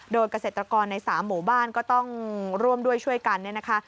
โดยเกษตรกรใน๓หมู่บ้านก็ต้องร่วมด้วยช่วยกันเนี่ยนะคะ